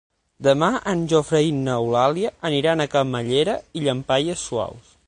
Demà en Jofre i n'Eulàlia aniran a Camallera i Llampaies Saus.